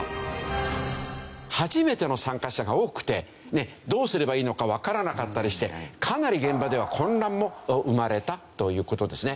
初めての参加者が多くてどうすればいいのかわからなかったりしてかなり現場では混乱も生まれたという事ですね。